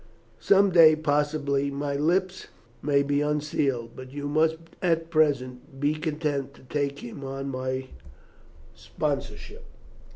Some day, possibly, my lips may be unsealed, but you must at present be content to take him on my sponsorship."